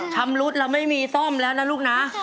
ชำรุดเราไม่มีซ่อมแล้วนะลูกนะ